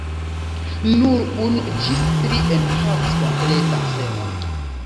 Nur unu ĝis tri enhavas kompletan semon.